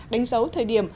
đánh dấu thời điểm